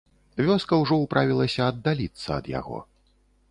Вёска ўжо ўправілася аддаліцца ад яго.